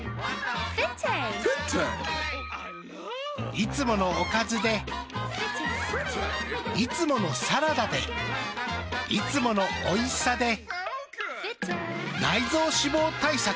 いつものおかずでいつものサラダでいつものおいしさで内臓脂肪対策。